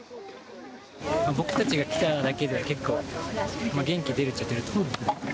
僕たちが来ただけで結構、元気出るときあると思うんで。